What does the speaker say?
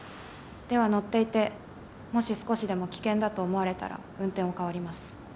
では乗っていてもし少しでも危険だと思われたら運転を代わります。